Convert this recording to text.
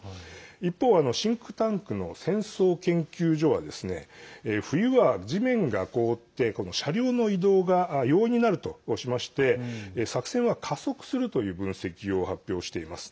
一方シンクタンクの戦争研究所は冬は地面が凍って車両の移動が容易になるとしまして作戦は加速するという分析を発表しています。